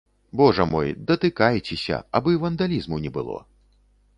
Божа мой, датыкайцеся, абы вандалізму не было.